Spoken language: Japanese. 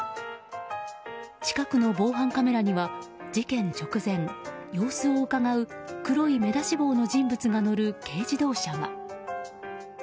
近くの防犯カメラには事件直前様子をうかがう黒い目出し帽の人物が乗る軽自動車が。